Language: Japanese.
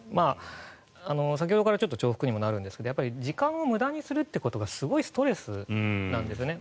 先ほどから重複にもなるんですが時間を無駄にするということがすごいストレスなんですね。